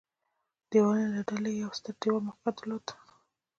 دېوالونو له ډلې یو ستر دېوال موقعیت درلود.